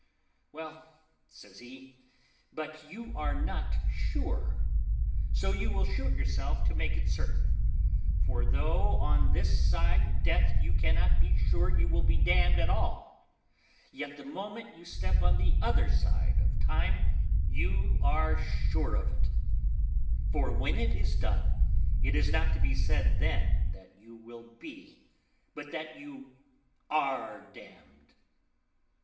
"Well," says he, "but you are not sure; so you will shoot yourself to make it certain; for though on this side death you cannot be sure you will be damned at all, yet the moment you step on the other side of time you are sure of it; for when it is done, it is not to be said then that you will be, but that you are damned."